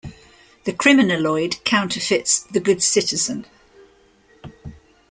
The criminaloid counterfeits the good citizen.